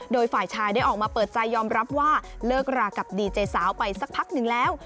โดยฝ่ายชายได้ออกมาเปิดใจยอมรับว่าเลิกรากับดีเจสาวไปสักพักหนึ่งแล้ว